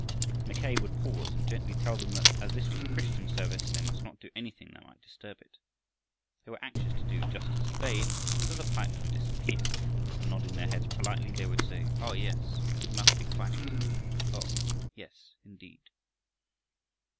Mackay would pause and gently tell them that as this was a Christian service they must not do anything that might disturb it. They were anxious to do just as he bade, so the pipes would disappear, and nodding their heads politely they would say, "Oh, yes, we must be quiet; oh, yes, indeed."